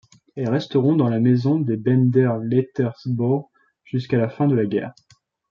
Elles resteront dans la maison des Benders-Lettersboer jusque la fin de la guerre.